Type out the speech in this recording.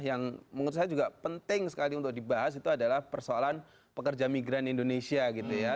yang menurut saya juga penting sekali untuk dibahas itu adalah persoalan pekerja migran indonesia gitu ya